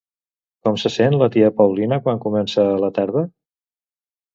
Com se sent la tia Paulina quan comença la tarda?